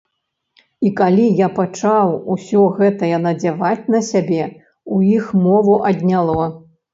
І калі я пачаў усё гэтае надзяваць на сябе, у іх мову адняло.